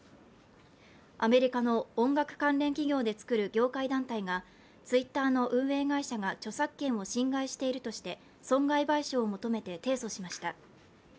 アメリカの音楽関連企業でつくる業界団体がＴｗｉｔｔｅｒの運営会社が著作権を侵害しているとして、損害賠償を求めて提訴しました。